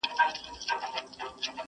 • چي تپش یې بس پر خپله دایره وي..